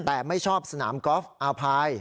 แต่ไม่ชอบสนามกอล์ฟอาพาย